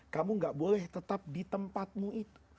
kamu gak boleh tetap di tempatmu itu